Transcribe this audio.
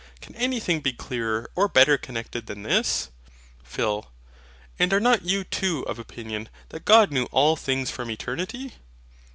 Can anything be clearer or better connected than this? PHIL. And are not you too of opinion, that God knew all things from eternity?